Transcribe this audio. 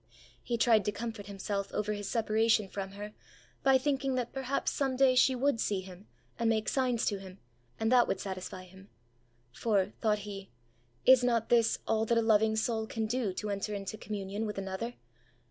He tried to comfort himself over his separation from her, by thinking that perhaps some day she would see him and make signs to him, and that would satisfy him; ãfor,ã thought he, ãis not this all that a loving soul can do to enter into communion with another?